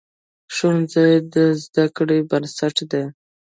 ښوونځی د زده کړې بنسټ دی.